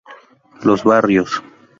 Los Barrios